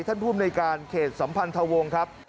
ท่านภูมิในการเขตสัมพันธวงศ์ครับ